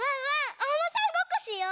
おうまさんごっこしよう！